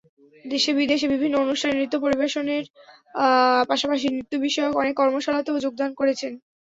দেশে-বিদেশে বিভিন্ন অনুষ্ঠানে নৃত্য পরিবেশনের পাশাপাশি নৃত্যবিষয়ক অনেক কর্মশালাতেও যোগদান করেছেন।